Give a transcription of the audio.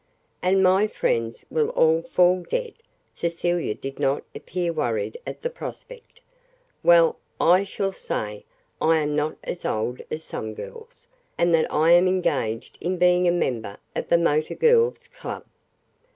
"And my friends will all fall dead." Cecilia did not appear worried at the prospect. "Well, I shall say I am not as old as some girls, and that I am engaged in being a member of the Motor Girls' Club."